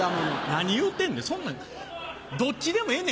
何言うてんねんそんなんどっちでもええねん。